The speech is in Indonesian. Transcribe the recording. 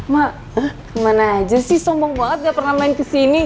mak kemana aja sih sombong banget gak pernah main kesini